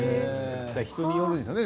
人によるんでしょうね。